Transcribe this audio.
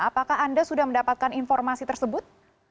apakah anda sudah mendapatkan informasi tersebut